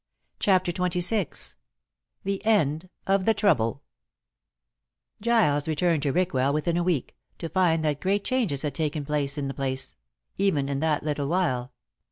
CHAPTER XXVI THE END OF THE TROUBLE Giles returned to Rickwell within a week, to find that great changes had taken place in the place, even in that little while.